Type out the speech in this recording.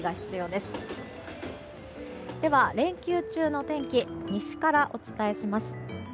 では連休中の天気西からお伝えします。